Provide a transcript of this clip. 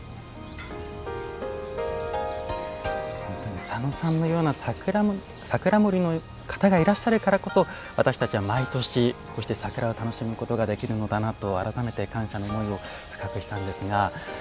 本当に佐野さんのような桜守の方がいらっしゃるからこそ私たちは毎年こうして桜を楽しむことができるのだなと改めて感謝の思いを深くしたんですが。